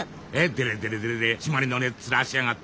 デレデレデレデレ締まりのねえツラしやがってお前。